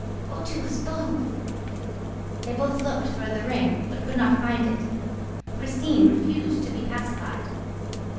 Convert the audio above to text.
... Woe to us both!" They both looked for the ring, but could not find it. Christine refused to be pacified.